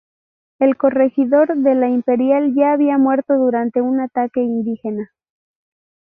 El corregidor de La Imperial ya había muerto durante un ataque indígena.